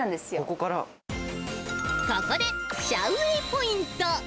ここで、シャウ・ウェイポイント。